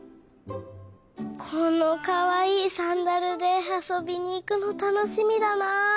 このかわいいサンダルであそびにいくのたのしみだな！